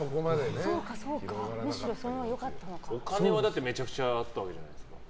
お金はめちゃくちゃあったわけじゃないですか。